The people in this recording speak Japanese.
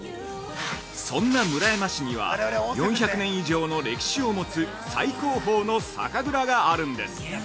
そんな村山市には４００年以上の歴史を持つ最高峰の酒蔵があるんです。